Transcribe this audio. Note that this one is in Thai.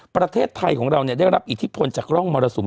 ประเทศไทยของเราได้รับอิทธิพลจากร่องมรสุม